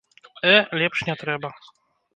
Э, лепш не трэба.